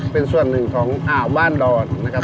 เป็นส่วนหนึ่งของอ่าวบ้านดอนนะครับ